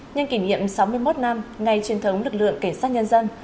nhân kỷ niệm sáu mươi một năm ngày truyền thống lực lượng cảnh sát nhân dân